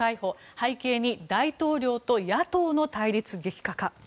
背景に、大統領と野党の対立激化か。